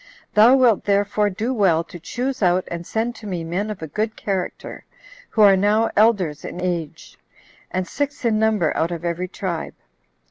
Thou wilt therefore do well to choose out and send to me men of a good character, who are now elders in age, and six in number out of every tribe.